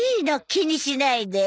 気にしないで。